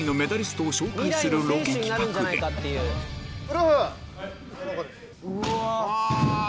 うわ！